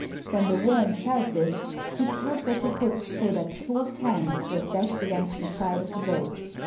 When the worm felt this he tugged at the hook so that Thor's hands were dashed against the side of the boat.